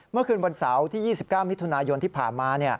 เมื่อคืนวันเสาร์ที่๒๙มิถุนายนที่ผ่านมา